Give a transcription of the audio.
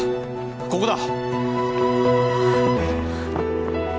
ここだ！